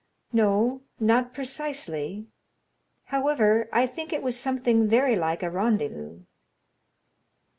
"No, not precisely; however, I think it was something very like a rendezvous."